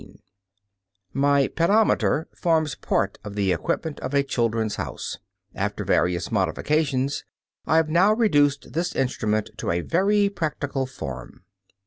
THE MONTESSORI PAEDOMETER.] My pedometer forms part of the equipment of a "Children's House." After various modifications I have now reduced this instrument to a very practical form.